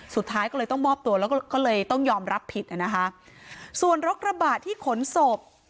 สุดท้ายก็เลยต้องมอบตัวแล้วก็ก็เลยต้องยอมรับผิดอ่ะนะคะส่วนรถกระบะที่ขนศพ